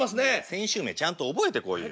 選手名ちゃんと覚えてこいよ。